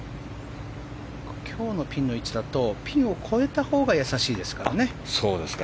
今日のピンの位置だとピンを越えたほうがやさしいですからね。